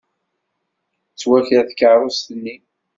Tettwaker tkeṛṛust-nni.